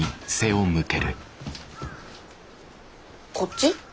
こっち？